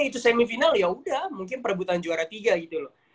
ituy my final ya udah mungkin perebutan juara tiga gitu loh